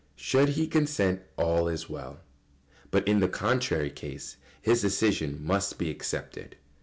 Should he consent, all is well; but in the contrary case, his decision must be accepted.